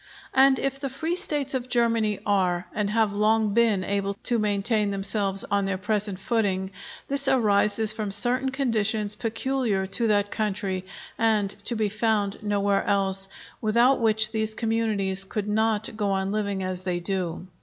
And if the free States of Germany are, and have long been able to maintain themselves on their present footing, this arises from certain conditions peculiar to that country, and to be found nowhere else, without which these communities could not go on living as they do.